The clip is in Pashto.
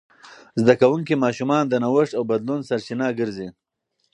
زده کوونکي ماشومان د نوښت او بدلون سرچینه ګرځي.